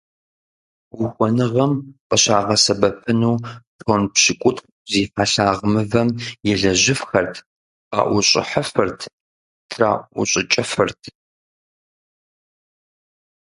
Ухуэныгъэм къыщагъэсэбэпыну тонн пщыкӏутху зи хьэлъагъ мывэм елэжьыфхэрт, къаӏущӏыхьыфырт, траӏущӏыкӏыфырт.